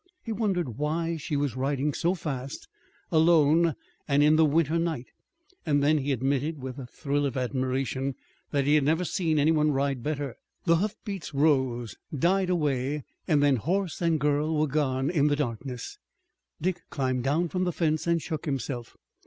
He wondered why she was riding so fast, alone and in the winter night, and then he admitted with a thrill of admiration that he had never seen any one ride better. The hoof beats rose, died away and then horse and girl were gone in the darkness. Dick climbed down from the fence and shook himself.